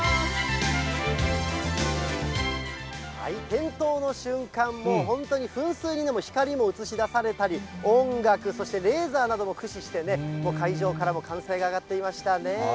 点灯の瞬間も本当に噴水にも光も映し出されたり、音楽、そしてレーザーなども駆使して、会場からも歓声が上がっていましたね。